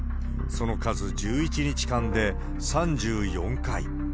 その数、１１日間で３４回。